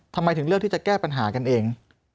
ทำไมถึงเลือกที่จะแก้ปัญหากันเอง